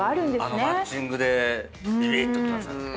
あのマッチングでビビッときましたね。